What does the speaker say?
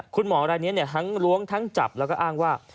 คุณหมอรายนี้ทั้งล้วงทั้งจับแล้วก็อ้างว่า